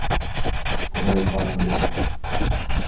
فرائي پانو ڏي